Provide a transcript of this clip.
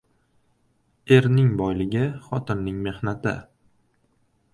• Erning boyligi — xotinning mehnati.